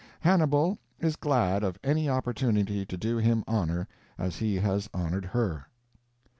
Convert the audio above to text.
Hannibal is glad of any opportunity to do him honor as he had honored her.